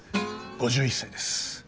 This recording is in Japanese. ５１歳です。